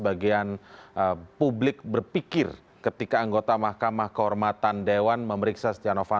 budi adiputro cnn indonesia